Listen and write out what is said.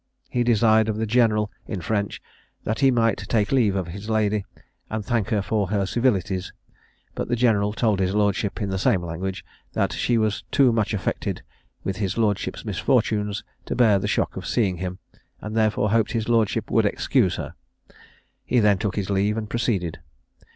He desired of the general, in French, that he might take leave of his lady, and thank her for her civilities; but the general told his lordship, in the same language, that she was too much affected with his lordship's misfortunes to bear the shock of seeing him, and therefore hoped his lordship would excuse her. He then took his leave, and proceeded.